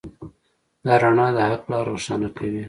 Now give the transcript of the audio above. دا رڼا د حق لاره روښانه کوي.